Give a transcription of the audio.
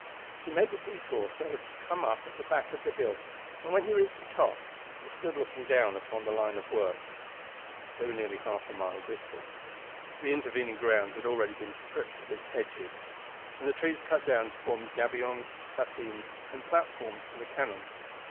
He made a detour so as to come up at the back of the hill and when he reached the top he stood looking down upon the line of works. They were nearly half a mile distant. The intervening ground had already been stripped of its hedges, and the trees cut down to form gabions, fascines, and platforms for the cannon.